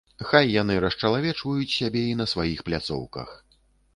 Хай яны расчалавечваюць сябе і на сваіх пляцоўках.